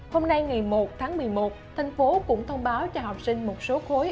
hôm nay ngày một tháng một mươi một thành phố cũng thông báo cho học sinh một số khối